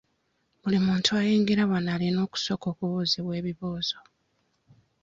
Buli muntu ayingira wano alina okusooka okubuuzibwa ebibuuzo.